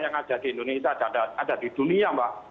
yang ada di indonesia dan ada di dunia mbak